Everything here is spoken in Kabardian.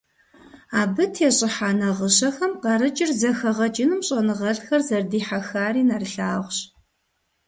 Абы тещIыхьа нагъыщэхэм къарыкIыр зэхэгъэкIыным щIэныгъэлIхэр зэрыдихьэхари нэрылъагъущ.